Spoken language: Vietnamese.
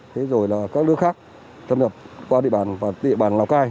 thế rồi là các nước khác thâm nhập qua địa bàn lào cai